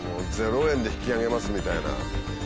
０円で引きあげますみたいな。